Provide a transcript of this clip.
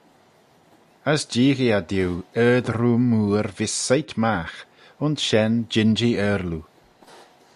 As jeeaghee eh diu ard-room mooar vees soit magh: ayns shen jean-jee aarloo.